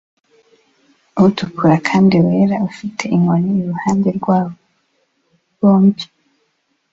utukura kandi wera ufite inkoni iruhande rwabo bombi